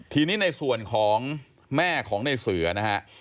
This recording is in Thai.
ทีนี้ในส่วนของแม่ของในเสือนะฮะ